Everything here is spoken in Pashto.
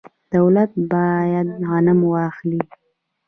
دولت باید غنم واخلي.